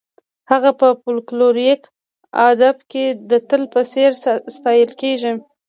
هغه په فولکلوریک ادب کې د اتل په څېر ستایل کیږي.